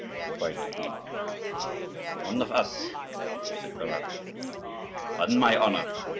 cried the queen. "One of us," said Birago. "On my honor!"